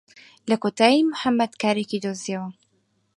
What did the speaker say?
لە کۆتایی موحەممەد کارێکی دۆزییەوە.